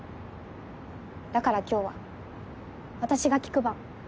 だから今日は私が聞く番。